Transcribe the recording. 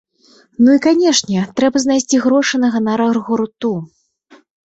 Ну, і канешне, трэба знайсці грошы на ганарар гурту.